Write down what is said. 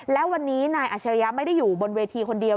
และวันนี้นายอัชริยะไม่ได้อยู่บนเวทีคนเดียว